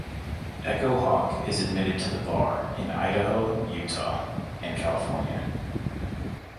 Echo Hawk is admitted to the bar in Idaho, Utah and California.